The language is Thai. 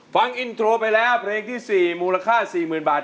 ฟังอินโทรไปแล้วเพลงที่๔มูลค่า๔๐๐๐บาท